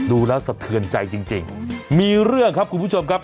ดูแล้วสะเทือนใจจริงมีเรื่องครับคุณผู้ชมครับ